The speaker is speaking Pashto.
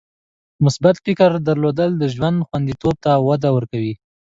د مثبت فکر درلودل د ژوند خوندیتوب ته وده ورکوي.